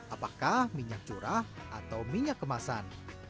apakah minyak curah atau minyak kemasan